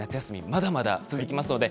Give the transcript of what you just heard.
まだまだ続きます。